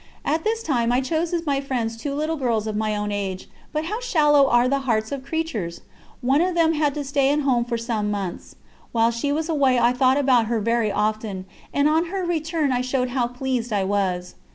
At this time I chose as friends two little girls of my own age; but how shallow are the hearts of creatures! One of them had to stay at home for some months; while she was away I thought about her very often, and on her return I showed how pleased I was.